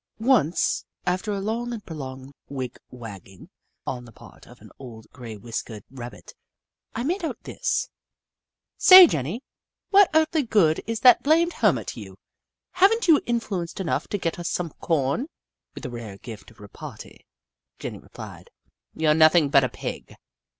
Once, after a long and prolonged wig wag ging on the part of an old, grey whiskered Rabbit, I made out this :" Say, Jenny, what earthly good is that blamed hermit to you ? Have n't you influence enough to get us some corn ? With a rare gift of repartee, Jenny replied :" You 're nothing but a pig.